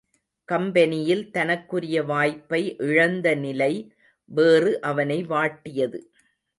கம்பெனியில் தனக்குரிய வாய்ப்பை இழந்த நிலை வேறு அவனை வாட்டியது.